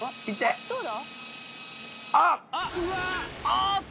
あっ！